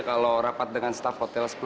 kalau rapat dengan staff hotel